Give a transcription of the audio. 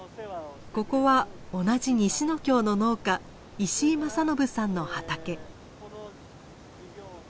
ここは同じ西ノ京の農家石井政伸さんの畑。